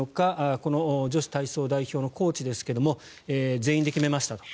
この女子体操代表のコーチですが全員で決めましたと。